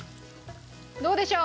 どうでしょう？